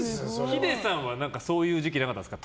ヒデさんはそういう時期なかったんですか？